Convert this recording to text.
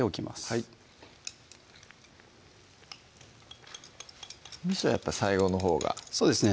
はいおみそやっぱ最後のほうがそうですね